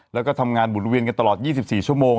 แล้วก็ทำงานหมุนเวียนกันตลอด๒๔ชั่วโมง